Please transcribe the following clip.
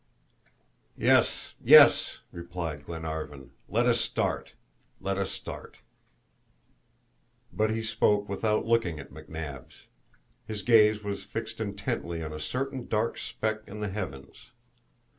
"Yes, yes!" replied Glenarvan. "Let us start, let us start!" But he spoke without looking at McNabbs. His gaze was fixed intently on a certain dark speck in the heavens.